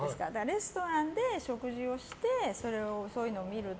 レストランで食事をしてそういうのを見る。